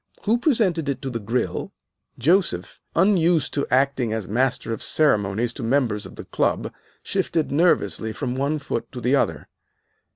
Who presented it to the Grill?" Joseph, unused to acting as master of ceremonies to members of the Club, shifted nervously from one foot to the other.